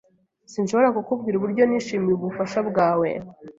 Sinshobora kukubwira uburyo nishimiye ubufasha bwawe.